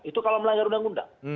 itu kalau melanggar undang undang